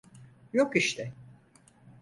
Yok işte.